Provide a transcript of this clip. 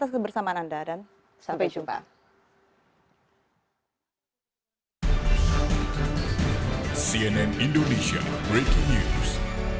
tersebut bersamaan anda dan sampai jumpa di indonesia breaking news